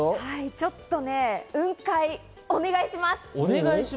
ちょっと雲海、お願いします。